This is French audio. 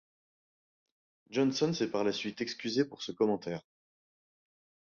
Johnson s’est par la suite excusé pour ce commentaire.